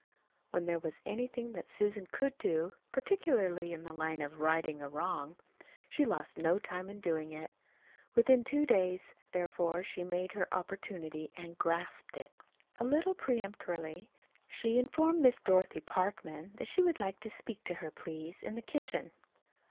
When there was anything that Susan could do particularly in the line of righting a wrong she lost no time in doing it. Within two days, therefore, she made her opportunity, and grasped it. A little peremptorily she informed Miss Dorothy Parkman that she would like to speak to her, please, in the kitchen.